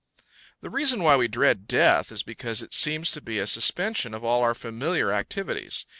The reason why we dread death is because it seems to be a suspension of all our familiar activities.